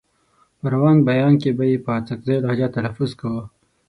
په روان بيان کې به يې په اڅکزۍ لهجه تلفظ کاوه.